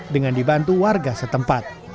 dengan dibantu warga setempat